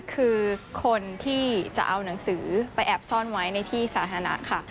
คือคนที่จะเอาหนังสือไปแอบซ่อนไว้ในที่สาธารณะค่ะ